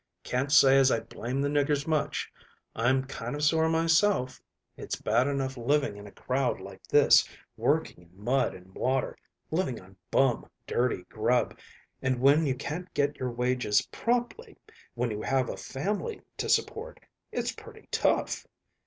Can't say as I blame the niggers much. I'm kind of sore myself. It's bad enough living in a crowd like this, working in mud and water, living on bum, dirty grub, and, when you can't get your wages promptly, when you have a family to support, it's pretty tough.